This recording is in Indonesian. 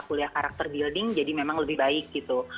aku lihat karakter building jadi memang lebih baik gitu